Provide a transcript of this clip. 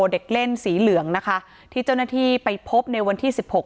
เด็กเล่นสีเหลืองนะคะที่เจ้าหน้าที่ไปพบในวันที่สิบหก